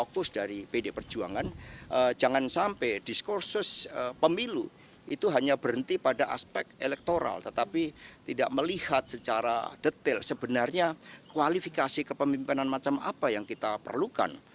kondisi pemilu itu hanya berhenti pada aspek elektoral tetapi tidak melihat secara detail sebenarnya kualifikasi kepemimpinan macam apa yang kita perlukan